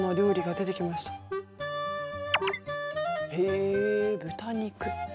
へえ豚肉。